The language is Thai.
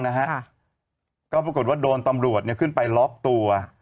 โหยวายโหยวายโหยวายโหยวายโหยวายโหยวายโหยวาย